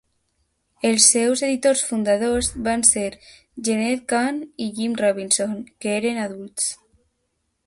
Els seus editors fundadors van ser Jenette Kahn i Jim Robinson, que eren adults.